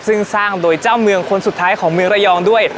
ซึ่งสร้างโดยเจ้าเมืองคนสุดท้ายของเมืองระยองด้วย